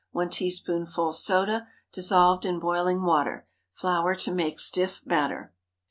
1 teaspoonful soda, dissolved in boiling water. Flour to make stiff batter.